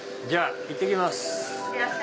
じゃあいってきます。